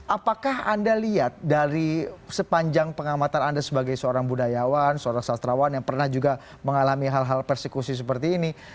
apakah anda lihat dari sepanjang pengamatan anda sebagai seorang budayawan seorang sastrawan yang pernah juga mengalami hal hal persekusi seperti ini